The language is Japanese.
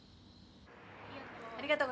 ありがとう。